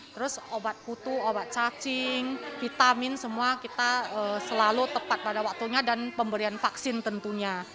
terus obat kutu obat cacing vitamin semua kita selalu tepat pada waktunya dan pemberian vaksin tentunya